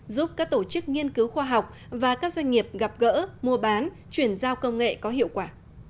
giúp các tổ chức nghiên cứu khoa học và các doanh nghiệp gặp gỡ mua bán chuyển giao công nghệ có hiệu quả